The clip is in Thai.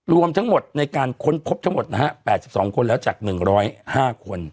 รวมทั้งหมดในการค้นพบทั้งหมดนะฮะ๘๒คนแล้วจาก๑๐๕คน